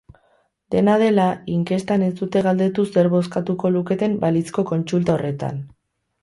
Dena dela, inkestan ez dute galdetu zer bozkatuko luketen balizko kontsulta horretan.